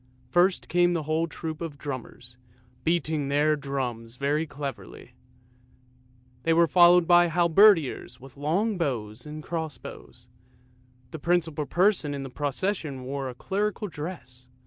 First came a whole troop of drummers, beating their drums very cleverly; they were followed by halberdiers with long bows and cross bows. The principal person in the procession wore a clerical dress.